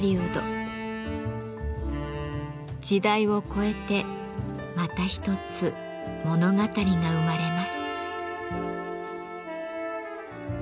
時代を超えてまた一つ物語が生まれます。